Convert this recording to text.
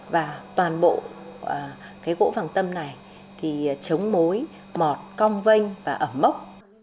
và toàn bộ gỗ vàng tâm này chống mối mọt cong vênh và ẩm mốc